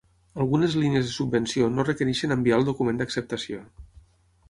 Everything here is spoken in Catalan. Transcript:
Algunes línies de subvenció no requereixen enviar el document d'acceptació.